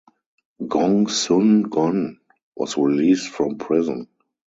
Gongsun Gong was released from prison.